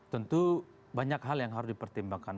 tentu banyak hal yang harus dipertimbangkan